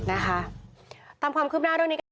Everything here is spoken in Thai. นะคะตามความคืบหน้าด้วย